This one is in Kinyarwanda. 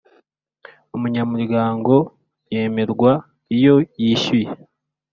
Umunyamuryango yemerwa iyo yishyuye